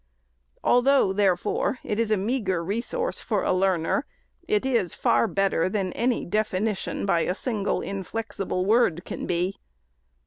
Although, therefore, it is a meagre resource for a learner, it is far better than any definition, by a single inflexible word, can be.